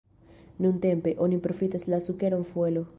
Nuntempe oni profitas la sukeron fuelo.